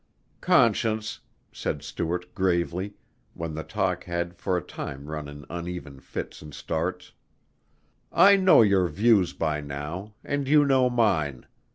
"Conscience," said Stuart gravely, when the talk had for a time run in uneven fits and starts, "I know your views by now, and you know mine.